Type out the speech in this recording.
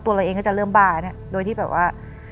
เราเองก็จะเริ่มบ้าเนี่ยโดยที่แบบว่า